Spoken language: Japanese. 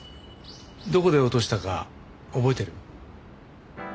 どこで落としたか覚えてる？